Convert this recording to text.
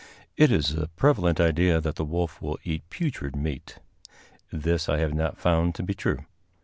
It is a prevalent idea that the wolf will eat putrid meat. This I have not found to be true.